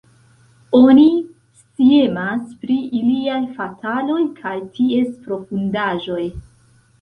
Oni sciemas pri iliaj fataloj kaj ties profundaĵoj.